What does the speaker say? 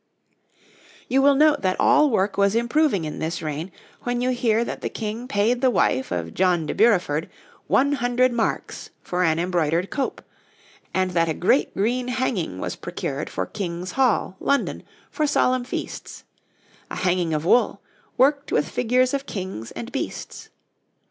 }] You will note that all work was improving in this reign when you hear that the King paid the wife of John de Bureford 100 marks for an embroidered cope, and that a great green hanging was procured for King's Hall, London, for solemn feasts a hanging of wool, worked with figures of kings and beasts.